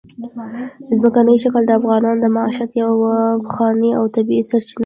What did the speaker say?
ځمکنی شکل د افغانانو د معیشت یوه پخوانۍ او طبیعي سرچینه ده.